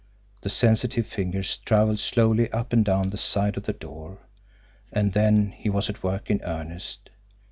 The sensitive fingers travelled slowly up and down the side of the door and then he was at work in earnest.